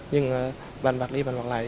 nhưng bàn bạc đi bàn bạc lại